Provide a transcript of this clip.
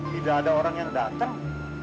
tidak ada orang yang datang